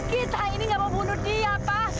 kita ini gak mau bunuh dia pak